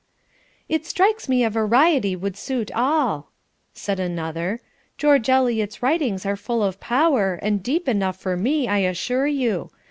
"It strikes me a variety would suit all," said another. "George Eliot's writings are full of power, and deep enough for me, I assure you.